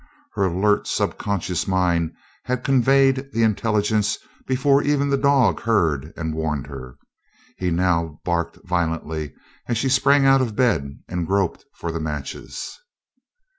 Her alert subconscious mind had conveyed the intelligence before even the dog heard and warned her. He now barked violently as she sprang out of bed and groped for the matches.